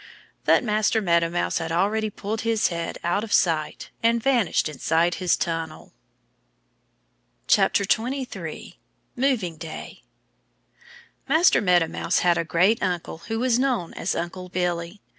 '" But Master Meadow Mouse had already pulled his head out of sight and vanished inside his tunnel. 23 Moving Day MASTER MEADOW MOUSE had a great uncle who was known as Uncle Billy.